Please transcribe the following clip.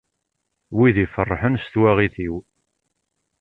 Wid iferrḥen s twaɣit-iw.